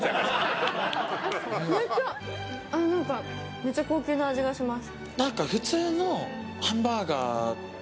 めっちゃ高級な味がします。